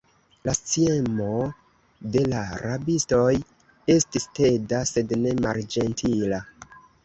La sciemo de la rabistoj estis teda, sed ne malĝentila.